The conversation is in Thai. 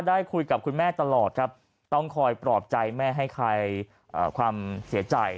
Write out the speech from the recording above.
ได้คุยกับคุณแม่ตลอดครับต้องคอยปลอบใจแม่ให้คลายความเสียใจ